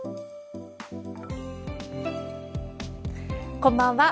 こんばんは。